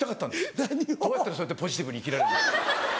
どうやったらそうやってポジティブに生きられるの？